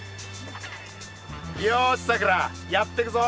よしさくらやってくぞ。